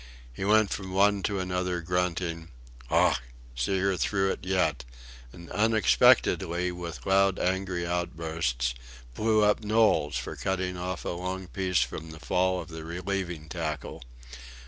He went from one to another grunting, "Ough!... See her through it yet;" and unexpectedly, with loud angry outbursts, blew up Knowles for cutting off a long piece from the fall of the relieving tackle.